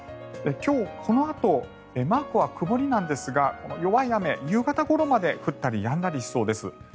今日このあとマークは曇りなんですが弱い雨、夕方ごろまで降ったりやんだりしそうです。